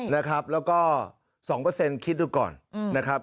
แล้วก็๒คิดด้วยก่อนนะครับ